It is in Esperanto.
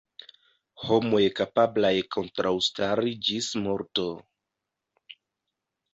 Homoj kapablaj kontraŭstari ĝis morto.